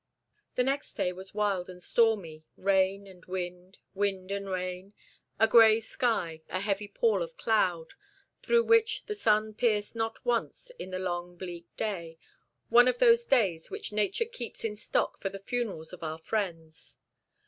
The next day was wild and stormy rain and wind, wind and rain a gray sky, a heavy pall of cloud, through which the sun pierced not once in the long bleak day; one of those days which Nature keeps in stock for the funerals of our friends.